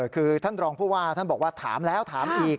คือท่านรองผู้ว่าท่านบอกว่าถามแล้วถามอีก